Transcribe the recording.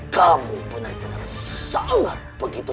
kamu benar benar sangat begitu